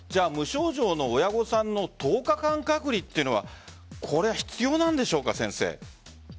無症状の親御さんの１０日間隔離というのは必要なんでしょうか、先生。